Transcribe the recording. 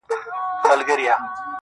چي ته حال راكړې گرانه زه درځمه.